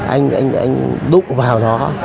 anh đúc vào nó